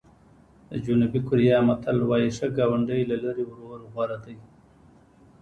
د جنوبي کوریا متل وایي ښه ګاونډی له لرې ورور غوره دی.